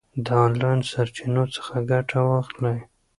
د آنلاین سرچینو څخه ګټه واخلئ.